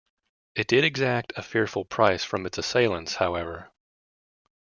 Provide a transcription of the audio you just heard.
It did exact a fearful price from its assailants, however.